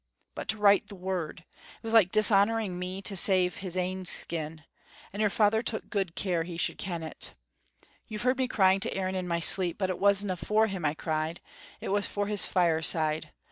But to write the word! It was like dishonoring me to save his ain skin, and your father took good care he should ken it. You've heard me crying to Aaron in my sleep, but it wasna for him I cried, it was for his fire side.